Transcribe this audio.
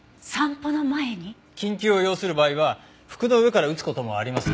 緊急を要する場合は服の上から打つ事もあります。